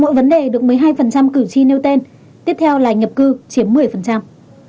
mỗi vấn đề được một mươi hai cử tri nêu tên tiếp theo là nhập cư chiếm một mươi